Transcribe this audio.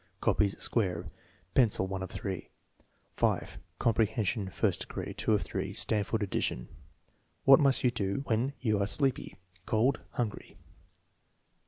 Copies square. (Pencil. 1 of 3,) 5. Comprehension, 1st degree. (8 of 3.) (Stanford addition.) "What must you do": "When you are sleepy?" "Cold?" "Hungry?"